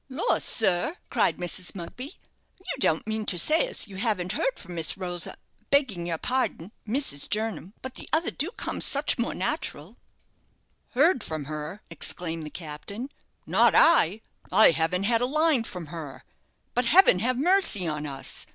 "Lor', sir," cried Mrs. Mugby, "you don't mean to say as you haven't heard from Miss Rosa begging your pardon, Mrs. Jernam but the other do come so much more natural?" "Heard from her!" exclaimed the captain. "Not I, I haven't had a line from her. But heaven have mercy on us!